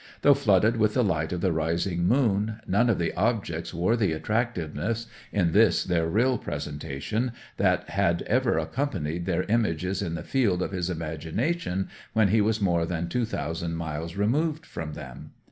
Though flooded with the light of the rising moon, none of the objects wore the attractiveness in this their real presentation that had ever accompanied their images in the field of his imagination when he was more than two thousand miles removed from them.